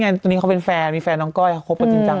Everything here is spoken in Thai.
จับโป้นี่ไงเค้าเป็นแฟนมีแฟนน้องก้อยเค้าคบกับจริงจัง